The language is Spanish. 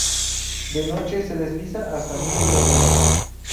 De noche se desliza hasta Niso dormido.